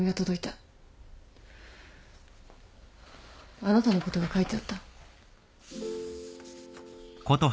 あなたのことが書いてあった。